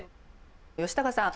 吉高さん